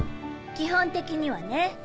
基本的にはね。